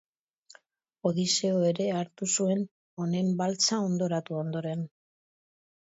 Odiseo ere hartu zuen, honen baltsa hondoratu ondoren.